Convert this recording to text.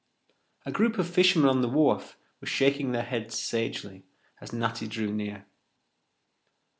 A group of fishermen on the wharf were shaking their heads sagely as Natty drew near.